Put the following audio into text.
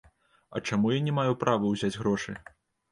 А чаму я не маю права ўзяць грошы?